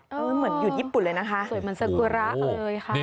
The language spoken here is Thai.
เออเหมือนอยู่ในญี่ปุ่นเลยนะคะโอ้โหโอ้โหโอ้โหโอ้โหโอ้โห